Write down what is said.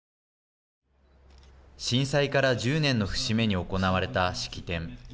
震災から１０年の節目に行われた式典。